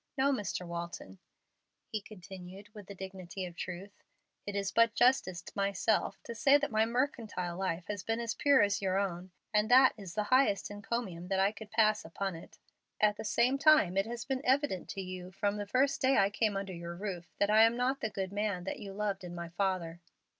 No, Mr. Walton," he continued, with the dignity of truth, "it is but justice to myself to say that my mercantile life has been as pure as your own, and that is the highest encomium that I could pass upon it. At the same time it has been evident to you from the first day I came under your roof that I am not the good man that you loved in my father."